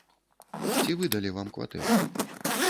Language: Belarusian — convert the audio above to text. Ці выдалі вам кватэру?